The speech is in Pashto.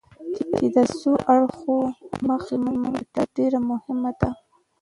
چې د څو اړخونو له مخې موږ ته ډېره مهمه ده.